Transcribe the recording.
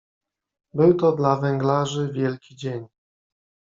"Był to dla „węglarzy” wielki dzień."